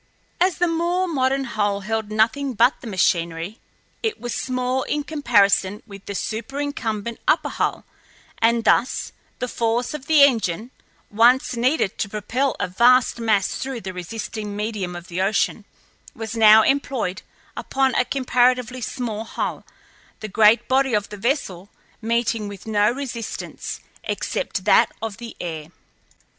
As the more modern hull held nothing but the machinery, it was small in comparison with the superincumbent upper hull, and thus the force of the engine, once needed to propel a vast mass through the resisting medium of the ocean, was now employed upon a comparatively small hull, the great body of the vessel meeting with no resistance except that of the air.